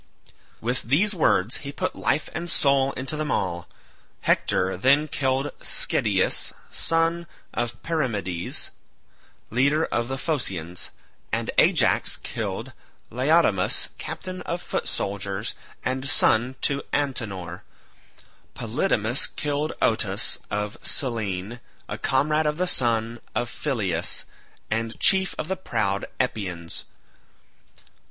With these words he put life and soul into them all. Hector then killed Schedius son of Perimedes, leader of the Phoceans, and Ajax killed Laodamas captain of foot soldiers and son to Antenor. Polydamas killed Otus of Cyllene a comrade of the son of Phyleus and chief of the proud Epeans.